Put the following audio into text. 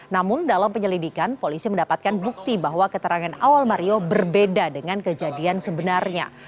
namun dalam penyelidikan polisi mendapatkan bukti bahwa keterangan awal mario berbeda dengan kejadian sebenarnya